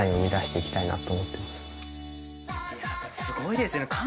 すごいですよね。